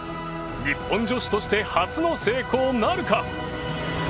日本女子として初の成功なるか？